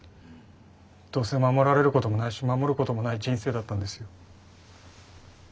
どうせ守られることもないし守ることもない人生だったんですよ。